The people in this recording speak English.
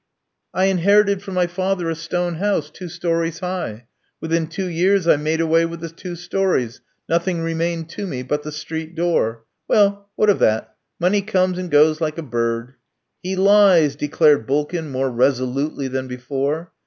"I inherited from my father a stone house, two storeys high. Within two years I made away with the two storeys; nothing remained to me but the street door. Well, what of that. Money comes and goes like a bird." "He lies!" declared Bulkin, more resolutely than before.